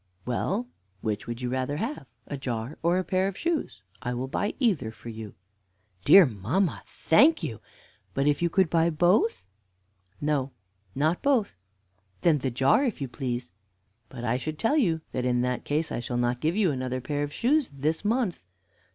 "Well, which would you rather have, a jar or a pair of shoes? I will buy either for you." "Dear mamma, thank you but if you could buy both?" "No, not both." "Then the jar, if you please." "But I should tell you, that in that case I shall not give you another pair of shoes this month."